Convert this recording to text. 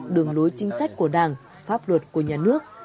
đường lối chính sách của đảng pháp luật của nhà nước